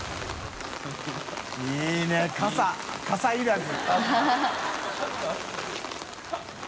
いい傘いらず。